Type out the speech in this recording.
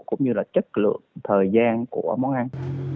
cũng như là chất lượng thời gian của món ăn